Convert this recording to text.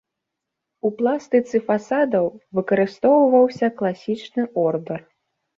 У пластыцы фасадаў выкарыстоўваўся класічны ордар.